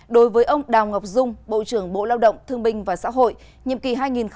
đối với ông đào ngọc dung bộ trưởng bộ lao động thương binh và xã hội nhiệm kỳ hai nghìn một mươi năm hai nghìn hai mươi